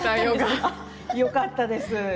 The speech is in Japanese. よかったです。